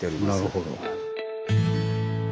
なるほど。